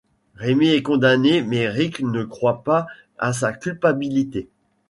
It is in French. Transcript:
Rémy est condamné mais Ric ne croit pas à sa culpabilité.